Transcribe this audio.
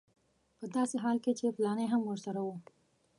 په داسې حال کې چې فلانی هم ورسره و.